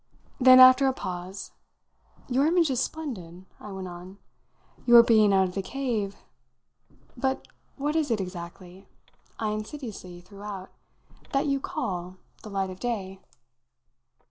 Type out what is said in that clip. Then after a pause, "Your image is splendid," I went on "your being out of the cave. But what is it exactly," I insidiously threw out, "that you call the 'light of day'?"